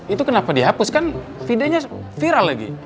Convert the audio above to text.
itu kenapa dihapus kan videonya viral lagi